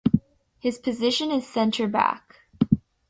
His position is center-back.